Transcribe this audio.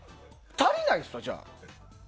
足りないです、じゃあ？